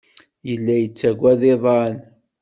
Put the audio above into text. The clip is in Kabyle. Yella yettaggad iḍan.